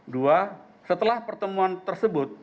dua setelah pertemuan tersebut